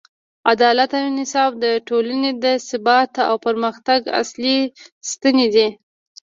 عدالت او انصاف د ټولنې د ثبات او پرمختګ اصلي ستنې دي.